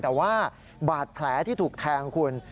แต่ว่าบาดแผลที่ถูกแทงคุณ